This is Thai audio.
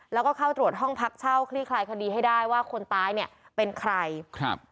แล้วก็เข้าตรวจห้องพักเช่าคลี่คลายคดีให้ได้ว่าคนตายเนี่ยเป็นใครครับ